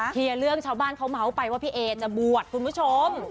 เคลียร์เรื่องชาวบ้านเขาเมาส์ไปว่าพี่เอจะบวชคุณผู้ชม